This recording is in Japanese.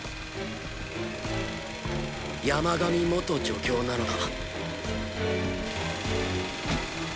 山上元助教なのだ